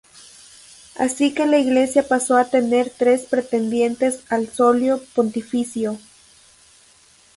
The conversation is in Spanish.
Así que la Iglesia pasó a tener tres pretendientes al solio pontificio.